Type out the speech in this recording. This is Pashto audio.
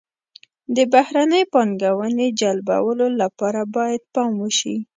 د بهرنۍ پانګونې جلبولو لپاره باید پام وشي.